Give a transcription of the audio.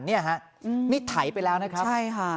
นี่ไถไปแล้วนะครับ